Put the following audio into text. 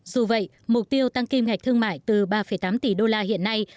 dù vậy mục tiêu tăng kim ngạch thương mại từ ba tám tỷ đô la hiện nay